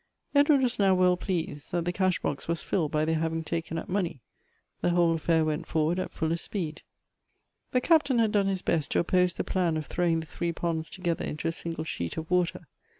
Edward was now well pleased that the cash box was filled by their having taken up money. The whole affair went forward at fullest speed. The Captain had done his best to op])ose the plan of throwing the three ponds together into a single sheet of water.